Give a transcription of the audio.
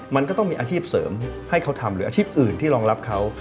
มันก็ต้องมีอาชีพเสริมให้เขาทำหรืออาชีพอื่นที่รองรับเขา